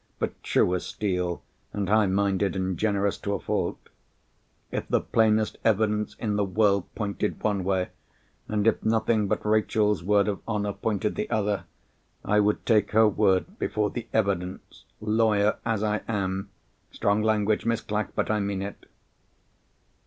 But true as steel, and high minded and generous to a fault. If the plainest evidence in the world pointed one way, and if nothing but Rachel's word of honour pointed the other, I would take her word before the evidence, lawyer as I am! Strong language, Miss Clack; but I mean it."